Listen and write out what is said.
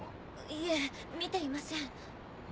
いえ見ていません。